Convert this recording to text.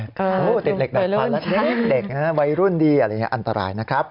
เต็มเหล็กหนักพันแล้วเต็มเด็กวัยรุ่นดีอะไรอย่างนี้อันตรายนะครับ